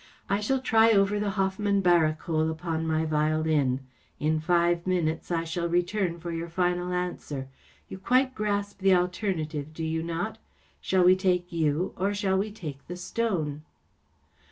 I shall try over the Hoffmann Barcarole upon my violin. In five minutes I shall return for your final answer. You quite grasp the alternative, do you not ? Shall we take you, or shall we have the stone